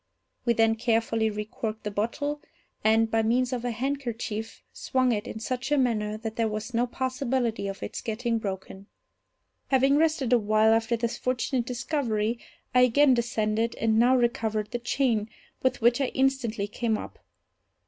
We then carefully recorked the bottle, and, by means of a handkerchief, swung it in such a manner that there was no possibility of its getting broken. Having rested a while after this fortunate discovery, I again descended, and now recovered the chain, with which I instantly came up.